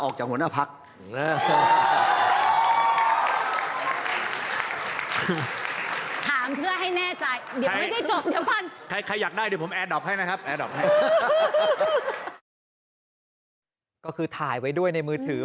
ก็คือถ่ายไว้ด้วยในมือถือ